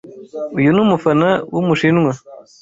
Uyu numufana wumushinwa.